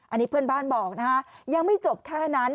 อันนี้เพื่อนบ้านบอกนะฮะยังไม่จบแค่นั้น